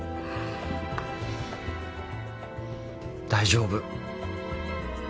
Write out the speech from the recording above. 大丈夫。